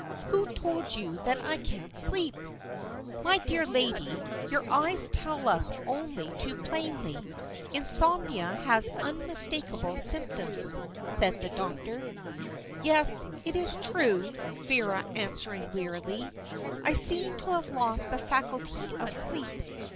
"Who told you that I can't sleep?" "My dear lady, your eyes tell us only too plainly. Insomnia has unmistakable symptoms," said the doctor. "Yes, it is true," Vera answered wearily. "I seem to have lost the faculty of sleep.